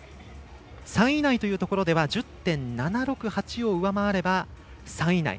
３位以内というところでは１０．７６８を上回れば３位以内。